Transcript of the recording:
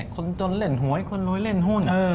คนจนเล่นหวยคนรวยเล่นหุ้น